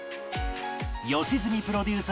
良純プロデュース